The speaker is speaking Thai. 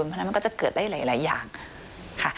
เพราะฉะนั้นมันก็จะเกิดได้หลายอย่างค่ะ